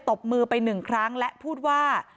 บมือไปหนึ่งครั้งและพูดว่า